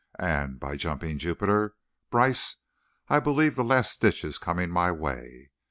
And, by jumping Jupiter, Brice, I believe the last ditch is coming my way!